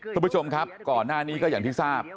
คุณผู้ชมครับก่อนหน้านี้ก็อย่างที่ทราบ